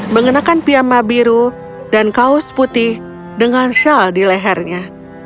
mengenakan piyama biru dan kaos putih dengan shawl di lehernya